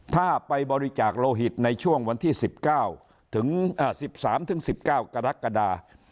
ถ้าไปบริจาคโลหิตในช่วงวันที่๑๙ถึง๑๓๑๙กรกฎา